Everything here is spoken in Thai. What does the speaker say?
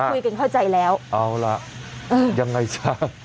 คุยกันเข้าใจแล้วเอาละยังไงจ้ะ